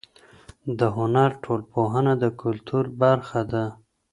د هنر ټولنپوهنه د کلتور برخه ده.